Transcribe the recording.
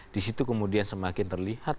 di situ kemudian semakin terlihat